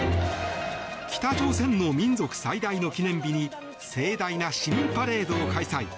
北朝鮮の民族最大の記念日に盛大な市民パレードを開催。